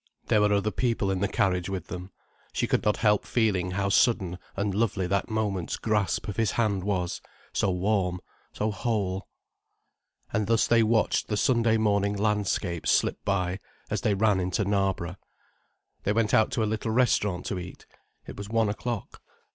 There were other people in the carriage with them. She could not help feeling how sudden and lovely that moment's grasp of his hand was: so warm, so whole. And thus they watched the Sunday morning landscape slip by, as they ran into Knarborough. They went out to a little restaurant to eat. It was one o'clock.